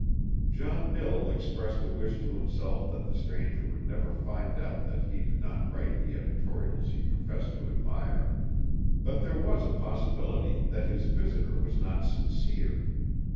John Bill expressed a wish to himself that the stranger would never find out that he did not write the editorials he professed to admire; but there was a possibility that his visitor was not sincere.